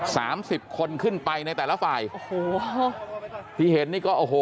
สามสิบคนขึ้นไปในแต่ละฝ่ายโอ้โหที่เห็นนี่ก็โอ้โห